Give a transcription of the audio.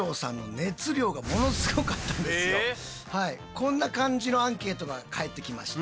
こんな感じのアンケートが返ってきました。